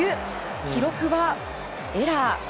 記録はエラー。